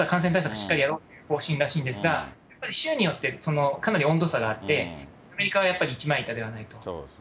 しっかりやろうという方針らしいんですが、やっぱり州によって、かなり温度差があって、アメリカはやっぱり一枚板ではないと。